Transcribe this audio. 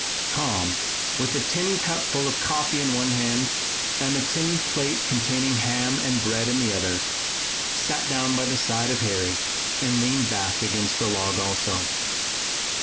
Tom, with a tin cup full of coffee in one hand and a tin plate containing ham and bread in the other, sat down by the side of Harry and leaned back against the log also.